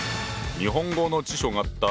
日本語の辞書があった。